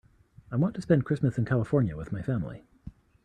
I want to spend Christmas in California with my family.